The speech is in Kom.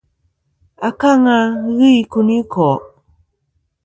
Akaŋa ghɨ i kuyniko'.